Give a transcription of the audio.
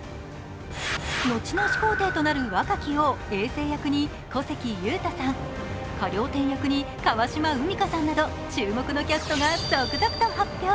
後の始皇帝となる若き王・えい政役に小関裕太さん、可了貂役に川島海荷さんなど注目のキャストが続々と発表。